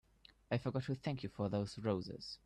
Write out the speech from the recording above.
I forgot to thank you for those roses.